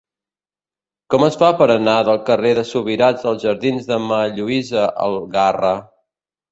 Com es fa per anar del carrer de Subirats als jardins de Ma. Lluïsa Algarra?